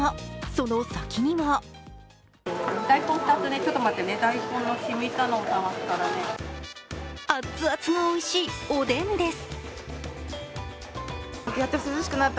その先にはアッツアツがおいしい、おでんです。